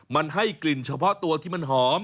มันให้กลิ่นเฉพาะตัวที่มันหอม